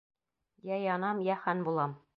Йә янам, йә хан булам!